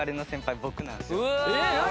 えっ！？何！？